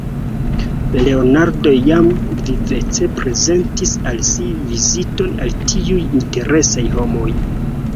Leonardo jam vivece prezentis al si viziton al tiuj interesaj homoj.